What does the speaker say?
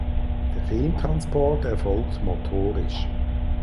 Der Filmtransport erfolgt motorisch.